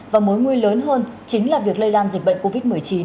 và mối nguy lớn hơn chính là việc lây lan dịch bệnh covid một mươi chín